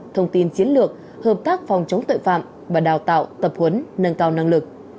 thông tin chiến lược hợp tác phòng chống tội phạm và đào tạo tập huấn nâng cao năng lực